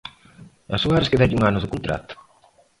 A Suárez quédalle un ano de contrato.